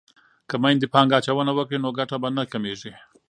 که میندې پانګه اچونه وکړي نو ګټه به نه کمیږي.